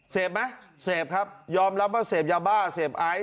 เสพไหมเสพครับยอมรับว่าเสพยาบ้าเสพไอซ